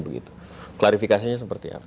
begitu klarifikasinya seperti apa